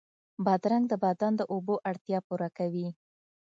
بادرنګ د بدن د اوبو اړتیا پوره کوي.